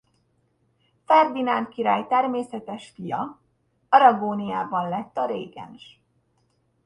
Ferdinánd király természetes fia Aragóniában lett a régens.